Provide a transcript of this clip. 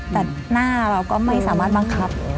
แต่หน้าเราก็ไม่สามารถบังคับ